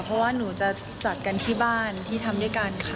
เพราะว่าหนูจะจัดกันที่บ้านที่ทำด้วยกันค่ะ